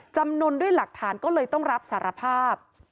จำนวนด้วยหลักฐานก็เลยต้องรับสารภาพ